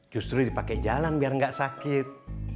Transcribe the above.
justru dipakai jalan biar nggak sakit